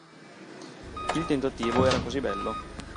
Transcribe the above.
Il tentativo era così bello .